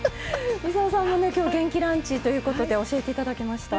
操さんもね今日元気ランチということで教えていただきました。